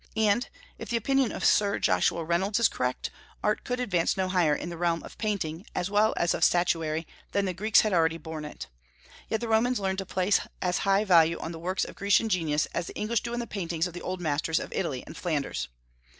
And if the opinion of Sir Joshua Reynolds is correct, art could advance no higher in the realm of painting, as well as of statuary, than the Greeks had already borne it. Yet the Romans learned to place as high value on the works of Grecian genius as the English do on the paintings of the old masters of Italy and Flanders.